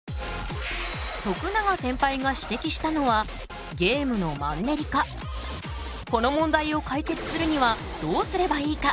徳永センパイが指摘したのはこの問題を解決するにはどうすればいいか。